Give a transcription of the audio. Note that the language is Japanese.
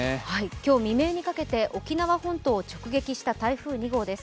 今日未明にかけて沖縄本島を直撃した台風２号です。